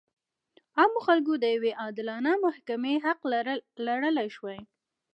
عامو خلکو د یوې عادلانه محکمې حق لرلی شوای.